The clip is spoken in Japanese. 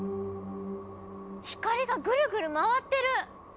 光がぐるぐる回ってる！